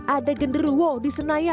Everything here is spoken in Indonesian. ada genderuwa di senayan